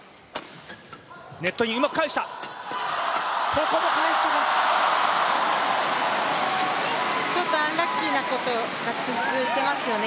ここも返したがちょっとアンラッキーなことが続いていますよね。